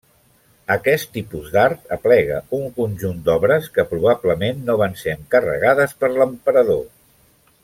Aquest tipus d'art aplega un conjunt d'obres que probablement no van ser encarregades per l'emperador.